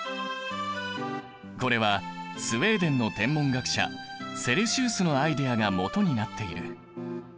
これはスウェーデンの天文学者セルシウスのアイデアがもとになっている。